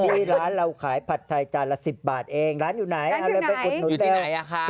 ที่ร้านเราขายผัดไทยจานละ๑๐บาทร้านอยู่ไหนเอาเลยไปกุธนุดเดียว